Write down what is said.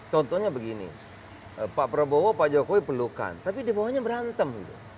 contohnya begini pak prabowo pak jokowi pelukan tapi di bawahnya berantem